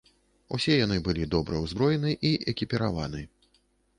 Усе яны былі добра ўзброены і экіпіраваны.